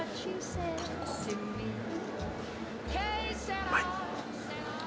うまい！